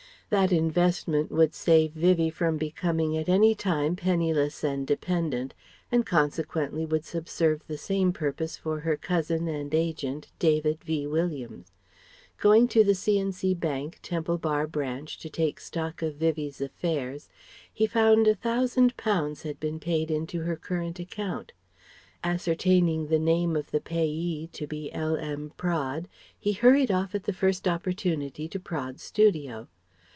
That investment would save Vivie from becoming at any time penniless and dependent, and consequently would subserve the same purpose for her cousin and agent, David V. Williams. Going to the C. and C. Bank, Temple Bar branch, to take stock of Vivie's affairs, he found a Thousand pounds had been paid in to her current account. Ascertaining the name of the payee to be L.M. Praed, he hurried off at the first opportunity to Praed's studio.